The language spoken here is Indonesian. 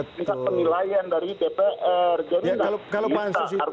tingkat penilaian dari dpr